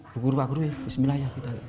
bu guru pak guru bismillah ya